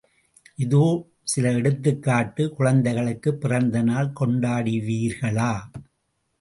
இதோ சில எடுத்துக்கட்டு குழந்தைகளுக்குப் பிறந்தநாள் கொண்டாடுவீர்களா?